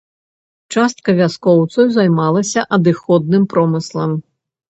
Частка вяскоўцаў займалася адыходным промыслам.